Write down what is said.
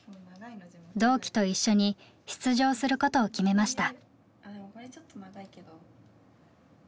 同期と一緒に出場することを決めました。